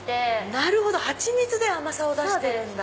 なるほど蜂蜜で甘さを出してるんだ。